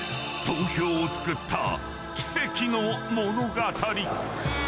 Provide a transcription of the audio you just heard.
東京を作った奇跡の物語。